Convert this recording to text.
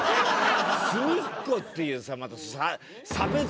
「隅っこ」っていうさまた。